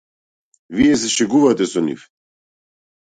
Вие се шегувате со нив.